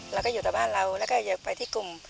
เราก็อยู่แต่บ้านเราแล้วก็อยากไปที่กลุ่ม